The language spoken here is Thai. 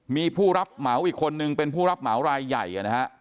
มีผู้รับเหมาอีกคนนึงเป็นผู้รับเหมารายใหญ่นะฮะ